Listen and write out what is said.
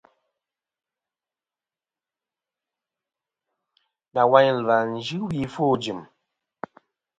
Nawayn ɨ̀lvɨ-a nɨn yɨ wi ɨfwo ɨjɨ̀m.